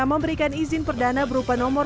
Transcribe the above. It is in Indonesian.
memberikan izin perdana berupa nomor